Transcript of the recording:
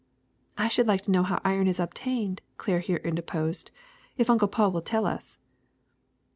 ''I should like to know how iron is obtained," Claire here interposed, ''if Uncle Paul will tell us."